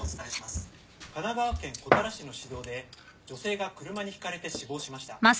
神奈川県古多良市の市道で女性が車にひかれて死亡しました。